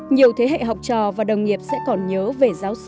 nhiều thế hệ học trò và đồng nghiệp sẽ còn nhớ về giáo sư